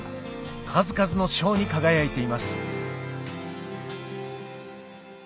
数々の賞に輝いています